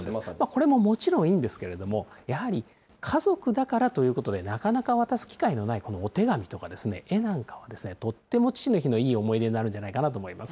これももちろんいいんですけれども、やはり、家族だからということで、なかなか渡す機会のない、このお手紙とか絵なんかを、とっても父の日のいい思い出になるんじゃないかと思います。